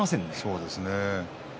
そうですね。